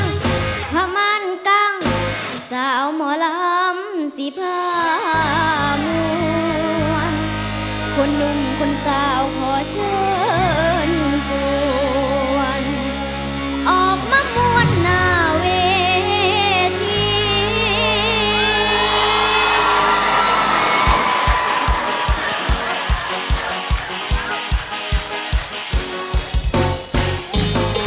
น้ำสีผ้าหมวนคนหนุ่มคนสาวขอเชิญจวนออกมาพวนหน้าเวที